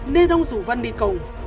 nên ông rủ vân đi cùng